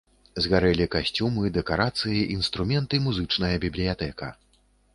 Згарэлі касцюмы, дэкарацыі, інструмент і музычная бібліятэка.